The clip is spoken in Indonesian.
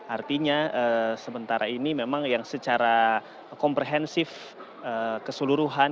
artinya sementara ini memang yang secara komprehensif keseluruhan